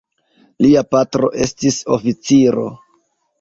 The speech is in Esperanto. Lia patro estis oficiro.